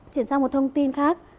chuyển sang một thông tin khác